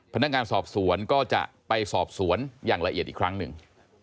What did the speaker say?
พนักงานสอบสวนก็จะไปสอบสวนอย่างละเอียดอีกครั้งหนึ่ง